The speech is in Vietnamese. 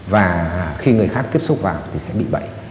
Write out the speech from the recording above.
và khi người khác tiếp xúc vào thì sẽ bị bệnh